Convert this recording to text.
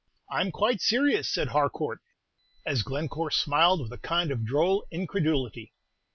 I 'm quite serious," said Harcourt, as Glencore smiled with a kind of droll incredulity.